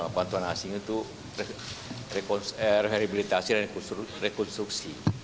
bantuan asing itu rehabilitasi dan rekonstruksi